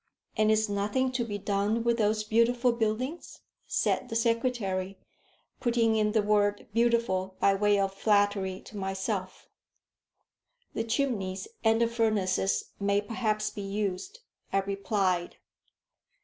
"And is nothing to be done with those beautiful buildings?" said the secretary, putting in the word beautiful by way of flattery to myself. "The chimneys and the furnaces may perhaps be used," I replied.